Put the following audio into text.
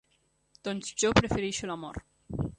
Doncs jo prefereixo la mort.